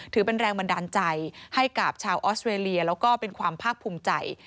ถือเป็นแรงบันดาลใจให้กับชาวออสเตรเลียแล้วก็เป็นความภาคภูมิใจ